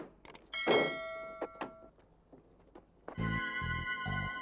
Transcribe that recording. mereka pikir uang itu gampang dicari